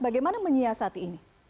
bagaimana menyiasati ini